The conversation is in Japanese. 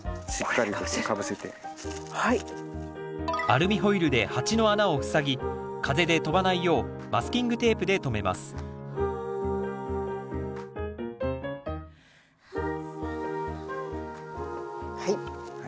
アルミホイルで鉢の穴を塞ぎ風で飛ばないようマスキングテープで留めますはい。